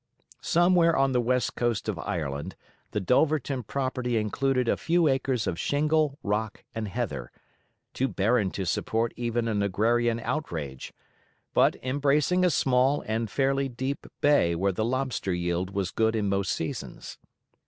Somewhere on the west coast of Ireland the Dulverton property included a few acres of shingle, rock, and heather, too barren to support even an agrarian outrage, but embracing a small and fairly deep bay where the lobster yield was good in most seasons.